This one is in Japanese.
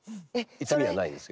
痛みはないですけど。